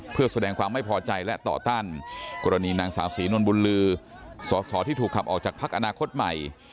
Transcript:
เพื่อแสดงความไม่พอใจและต่อต้านกรณีนางสาวศรีนวลบุญลือสอสอที่ถูกขับออกจากพักอนาคตใหม่